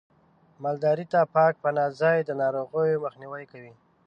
مالدارۍ ته پاک پناه ځای د ناروغیو مخنیوی کوي.